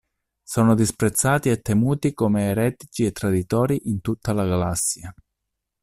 Sono disprezzati e temuti come Eretici e traditori in tutta la galassia.